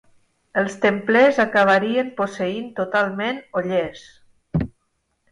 Els templers acabarien posseint totalment Ollers.